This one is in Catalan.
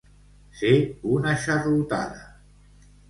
Ser una xarlotada.